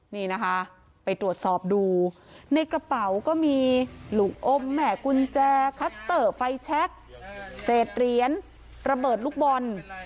นี่นะคะไปตรวจสอบดูในกระเป๋าก็มีลูกอมแม่กุญแจคัตเตอร์ไฟแชคเศษเหรียญระเบิดลูกบอล